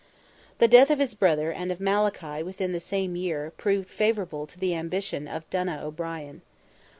The death of his brother and of Malachy within the same year, proved favourable to the ambition of Donogh O'Brien.